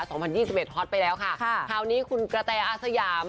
สองพันยี่สิบเอ็ฮอตไปแล้วค่ะค่ะคราวนี้คุณกระแตอาสยาม